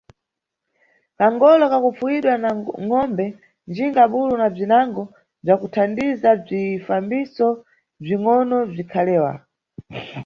Kangolo ka kupfuwidwa na ngʼombe, njinga, bulu, na bzinango bzakuthandiza bzifambiso bzingʼono bzikhalewa.